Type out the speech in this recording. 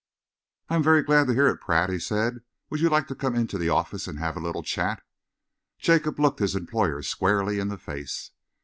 "I am very glad to hear it, Pratt," he said. "Would you like to come into the office and have a little chat?" Jacob looked his employer squarely in the face.